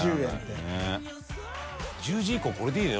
飯尾）１０時以降これでいいね